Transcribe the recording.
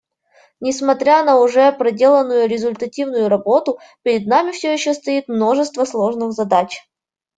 Несмотря на уже проделанную результативную работу, перед нами все еще стоит множество сложных задач.